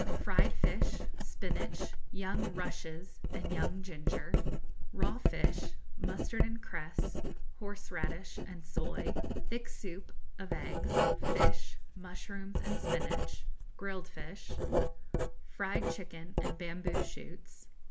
Fried Fish, Spinach, Young Rushes, and Young Ginger. Raw Fish, Mustard and Cress, Horseradish, and Soy. Thick Soup, of Eggs, Fish, Mushrooms, and Spinach; Grilled Fish. Fried Chicken, and Bamboo Shoots.